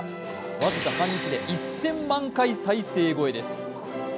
僅か半日で１０００万回再生超えです。